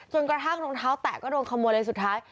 กระทั่งรองเท้าแตะก็โดนขโมยเลยสุดท้าย